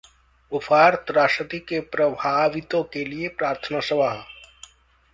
उपहार त्रासदी के प्रभावितों के लिए प्रार्थना सभा